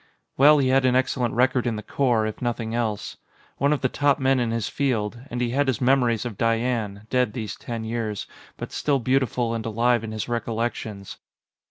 Well, he had an excellent record in the Corps, if nothing else. One of the top men in his field. And he had his memories of Diane, dead these ten years, but still beautiful and alive in his recollections.